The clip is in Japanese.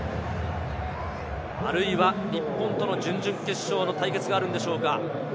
あるいは日本との準々決勝の対決があるんでしょうか？